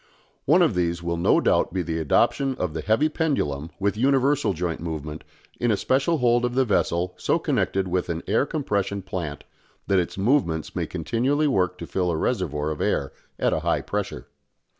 One of these will no doubt be the adoption of the heavy pendulum with universal joint movement in a special hold of the vessel so connected with an air compression plant that its movements may continually work to fill a reservoir of air at a high pressure.